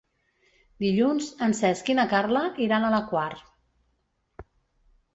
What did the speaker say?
Dilluns en Cesc i na Carla iran a la Quar.